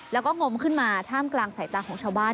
แล้วก็งมขึ้นมาท่ามกลางสายตาของชาวบ้าน